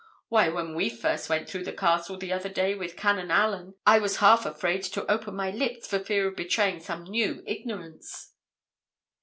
Why, when we first went through the castle the other day with Canon Allyn, I was half afraid to open my lips, for fear of betraying some new ignorance."